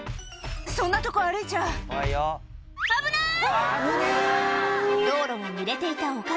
そんなとこ歩いちゃ危ない！